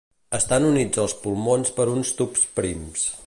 Estan units als pulmons per uns tubs prims.